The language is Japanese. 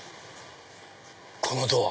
このドア。